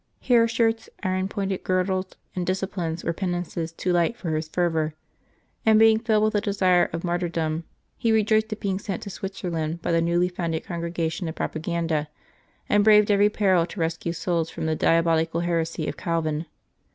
Hair shirts, iron pointed girdles, and disciplines were penances too light for his fervor; and being filled with a desire of martyrdom, he rejoiced at being sent to Switzerland by the newly founded Congregation of Propaganda, and braved every peril to rescue souls from the diabolical heresy of Calvin.